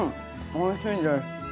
おいしいです。